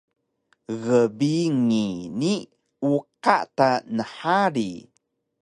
gbingi ni uqa ta nhari